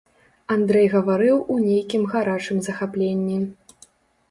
Андрэй гаварыў у нейкім гарачым захапленні.